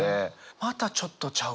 またちょっとちゃうかな。